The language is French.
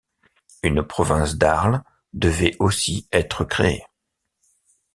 Une province d'Arles devait aussi être créée.